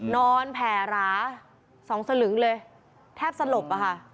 นอนแผลหราสองสลึงเลยแทบสลบป่ะค่ะ